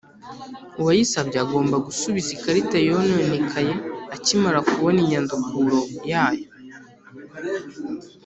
uwayisabye agomba gusubiza ikarita yononekaye akimara kubona inyandukuro yayo.